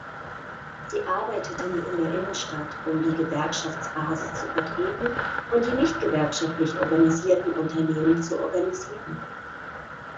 Sie arbeiteten in der Innenstadt, um die Gewerkschaftsbasis zu vertreten und die nicht gewerkschaftlich organisierten Unternehmen zu organisieren.